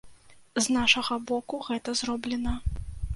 З нашага боку гэта зроблена.